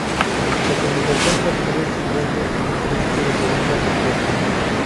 La comunicación transcurre siguiendo un principio de pregunta-respuesta.